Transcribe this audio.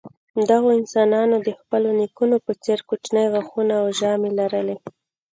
دغو انسانانو د خپلو نیکونو په څېر کوچني غاښونه او ژامې لرلې.